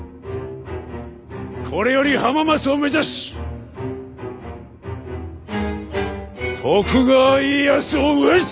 これより浜松を目指し徳川家康を討つ！